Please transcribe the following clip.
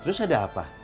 terus ada apa